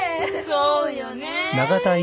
そうよね。